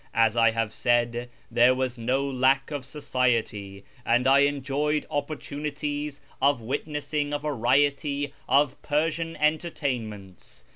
As I have said, there was no lack of society, and I enjoyed opportunities of witnessing a variety of Persian entertain ments.